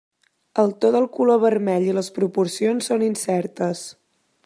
El to del color vermell i les proporcions són incertes.